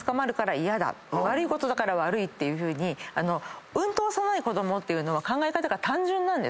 悪いことだから悪いっていうふうにうんと幼い子供っていうのは考え方が単純なんですね。